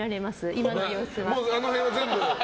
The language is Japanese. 今の様子は。